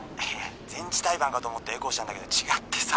「前置胎盤かと思ってエコーしたんだけど違ってさ」